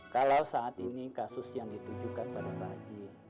kalau saat ini kasus yang ditujukan pada pak haji